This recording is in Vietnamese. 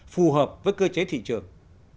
phù hợp với cơ chế thị trường